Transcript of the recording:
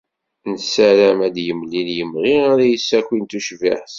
Yessaram ad d-yemlil imɣi ara d-yessakin tucbiḥt.